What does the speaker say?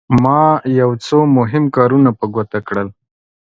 ما یو څو مهم کارونه په ګوته کړل.